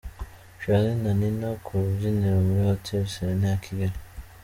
Charly na Nina ku rubyiniro muri hoteli Serena ya Kigali.